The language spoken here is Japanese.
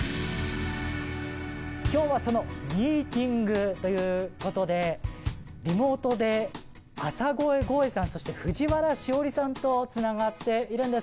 今日はそのミーティングということでリモートで浅越ゴエさんそして藤原しおりさんとつながっているんです。